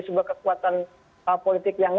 sebuah kekuatan politik yang